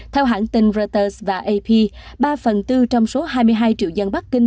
theo hãng tin reuters và ap ba phần tư trong số hai mươi hai triệu dân bắc kinh